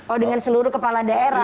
oh dengan seluruh kepala daerah